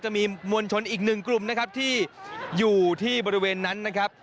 จะมีมวลชนอีกหนึ่งกลุ่มนะครับที่อยู่ที่บริเวณนั้นนะครับ